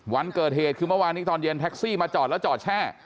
วันเกิดเหตุคือเมื่อวานนี้ตอนเย็นแท็กซี่มาจอดแล้วจอดแช่